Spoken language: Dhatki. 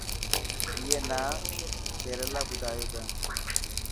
اي نا ڪير يلا ٻڌايو تين.